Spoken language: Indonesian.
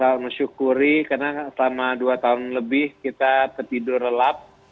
saya sangat bersyukur karena selama dua tahun lebih kita tidur relap